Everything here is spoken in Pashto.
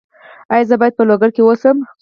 ایا زه باید په لوګر کې اوسم؟